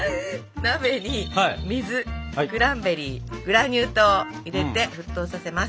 鍋に水クランべリーグラニュー糖を入れて沸騰させます。